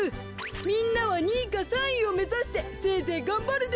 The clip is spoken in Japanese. みんなは２いか３いをめざしてせいぜいがんばるでごわす。